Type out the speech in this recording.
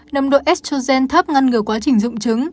nầm độ estrogen thấp ngăn ngừa quá trình dụng trứng